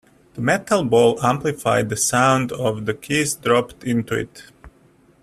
The metal bowl amplified the sound of the keys dropped into it.